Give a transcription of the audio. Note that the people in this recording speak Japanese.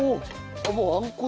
もうあんこだ。